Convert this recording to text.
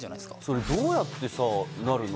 それどうやってさなるの？